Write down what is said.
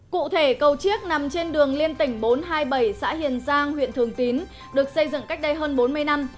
cụ thể cầu chiếc nằm trên đường liên tỉnh bốn trăm hai mươi bảy xã hiền giang huyện thường tín được xây dựng cách đây hơn bốn mươi năm